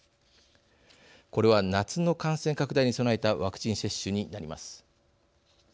これは夏の感染拡大に備えたワクチン接種になります。